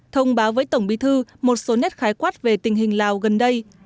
thông báo với tổng bí thư một số nét khái quát về tình hình lào gần đây